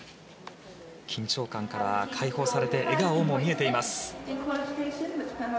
緊張感から解放されて笑顔も見えています。